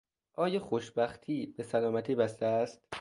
آیا خوشبختی به سلامتی بسته است؟